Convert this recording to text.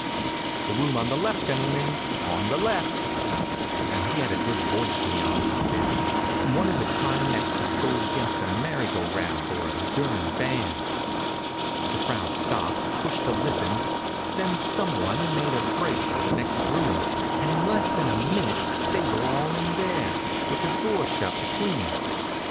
The room on the left, gentlemen, on the left!" He had a good voice, Leonidas did, one of the kind that could go against a merry go round or a German band. The crowd stopped pushin' to listen, then some one made a break for the next room, and in less than a minute they were all in there, with the door shut between.